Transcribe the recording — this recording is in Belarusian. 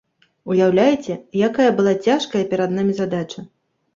Уяўляеце, якая была цяжкая перад намі задача?